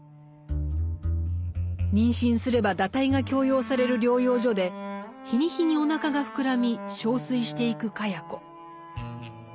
妊娠すれば堕胎が強要される療養所で日に日におなかが膨らみ憔悴していく茅子。